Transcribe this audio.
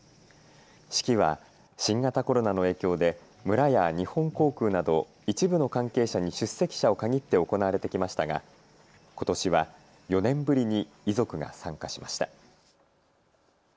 式は新型コロナの影響で村や日本航空など一部の関係者に出席者を限って行われてきましたが、ことしは４年ぶりに遺族が参加しました。